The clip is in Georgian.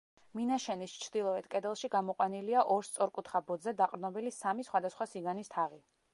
მინაშენის ჩრდილოეთ კედელში გამოყვანილია ორ სწორკუთხა ბოძზე დაყრდნობილი სამი სხვადასხვა სიგანის თაღი.